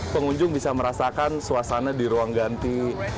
pengunjung bisa merasakan suasana di ruang ganti